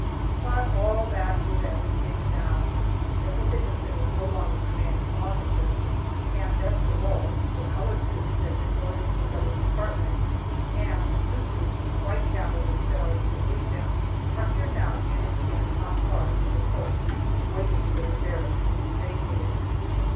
But all that is at an end now. General Dickinson is no longer commanding officer, and best of all, the colored troops have been ordered to another department, and the two troops of white cavalry that are to relieve them are here now and in camp not far from the post, waiting for the barracks to be vacated.